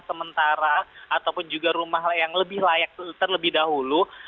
sementara ataupun juga rumah yang lebih layak terlebih dahulu